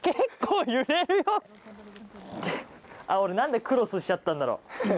俺何でクロスしちゃったんだろう。